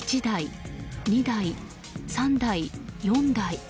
１台、２台、３台、４台。